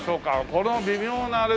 この微妙なあれだね。